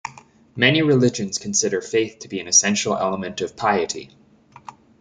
Many religions consider faith to be an essential element of piety.